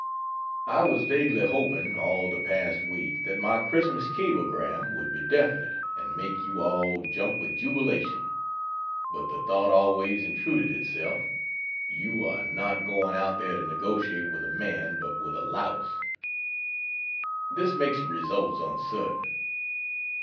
I was vaguely hoping, all the past week, that my Xmas cablegram would be definite, and make you all jump with jubilation; but the thought always intruded itself, "You are not going out there to negotiate with a man, but with a louse. This makes results uncertain."